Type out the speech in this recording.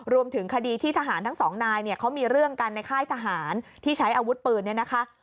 รวมถึงคดีที่ทหารทั้งสองนายเนี่ยเขามีเรื่องกันในค่ายทหารที่ใช้อาวุธปืนเนี่ยนะคะ